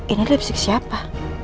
ini lipstick siapa